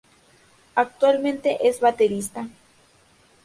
Actualmente es baterista.